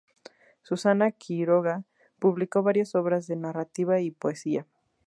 Susana Quiroga publicó varias obras de narrativa y poesía.